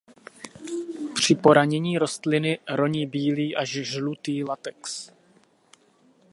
Při poranění rostliny roní bílý až žlutý latex.